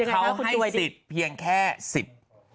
เขาให้สิทธิ์เพียงแค่สิบ